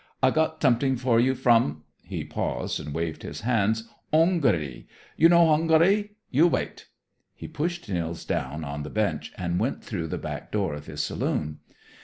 "I got somet'ing for you from" he paused and waved his hand "Hongarie. You know Hongarie? You wait!" He pushed Nils down on the bench, and went through the back door of his saloon.